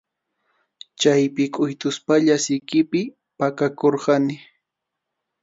Chaypi kʼuytuspalla sikipi pakakurqani.